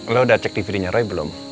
lo udah cek tv nya roy belum